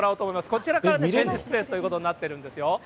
こちらから展示スペースということになってるんですよ。